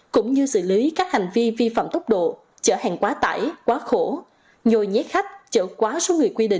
cũng như xử lý các hành vi vi phạm tốc độ chở hàng quá tải quá khổ